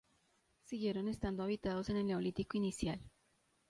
Siguieron estando habitados en el Neolítico inicial.